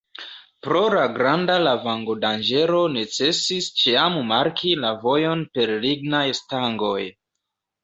Pro la granda lavango-danĝero necesis ĉiam marki la vojon per lignaj stangoj.